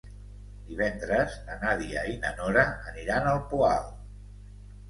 Divendres na Nàdia i na Nora aniran al Poal.